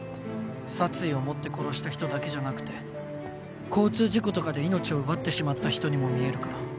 殺意を持って殺した人だけじゃなくて交通事故とかで命を奪ってしまった人にも見えるから。